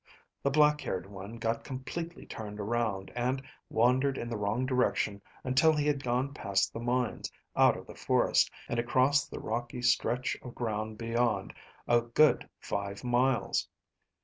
The black haired one got completely turned around, and wandered in the wrong direction until he had gone past the mines, out of the forest, and across the rocky stretch of ground beyond a good five miles.